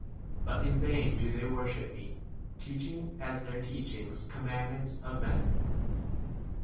But in vain do they worship me, teaching [as their] teachings commandments 8 of men.